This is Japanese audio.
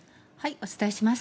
お伝えします。